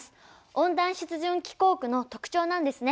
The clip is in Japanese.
温暖湿潤気候区の特徴なんですね。